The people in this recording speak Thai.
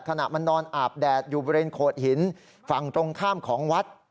ขณะมันนอนอาบแดดอยู่บริเวณโขดหินฝั่งตรงข้ามของวัด